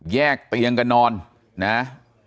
แยกเตียงกันนอนนะ